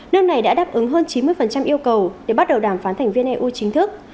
nước này đã đáp ứng hơn chín mươi yêu cầu để bắt đầu đàm phán thành viên eu chính thức